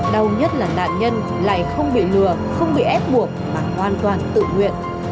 đau nhất là nạn nhân lại không bị lừa không bị ép buộc mà hoàn toàn tự nguyện